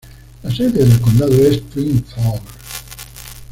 La sede del condado es Twin Falls.